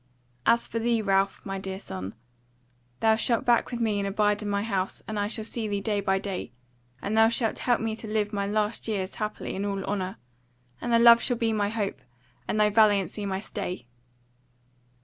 As for thee, Ralph my dear son, thou shalt back with me and abide in my house and I shall see thee day by day; and thou shalt help me to live my last years happily in all honour; and thy love shall be my hope, and thy valiancy my stay."